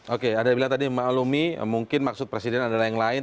oke ada yang bilang tadi maklumi mungkin maksud presiden adalah yang lain